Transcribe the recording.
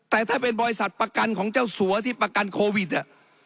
แต่ถ้าเป็นบริษัทประกันของเจ้าสัวที่ประกันโควิดเนี่ย